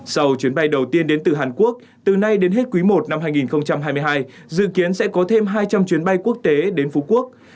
sau chuyến bay đầu tiên đến từ hàn quốc từ nay đến hết quý i năm hai nghìn hai mươi hai dự kiến sẽ có thêm hai trăm linh chuyến bay quốc tế đến phú quốc